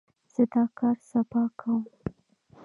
زه دا کار سبا کوم.